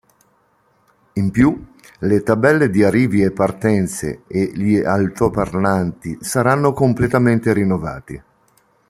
In più, le tabelle di arrivi e partenze e gli altoparlanti saranno completamente rinnovati.